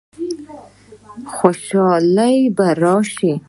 خوشحالي به راشي؟